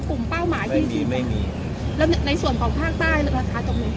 ปุ่มเป้าหมายไม่มีไม่มีแล้วในในส่วนของท่าคบ้าจักรนี้